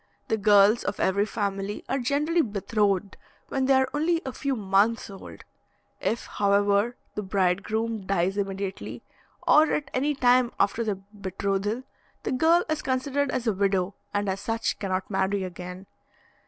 The girls of every family are generally betrothed when they are only a few months old; if, however, the bridegroom dies immediately, or at any time after the betrothal, the girl is considered as a widow, and as such cannot marry again.